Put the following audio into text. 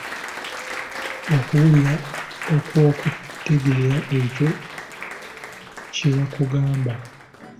Okuwulira okw’okutegeera ekyo kya bakugamba.